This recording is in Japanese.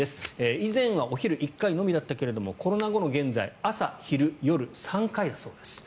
以前はお昼１回のみだったけどコロナ後の現在は朝、昼、夜の３回だそうです。